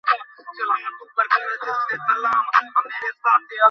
চুলা থেকে তুলে এনেই গরম গরম খাবার তাৎক্ষণিক রেফ্রিজারেটরে সংরক্ষণ করা অনুচিত।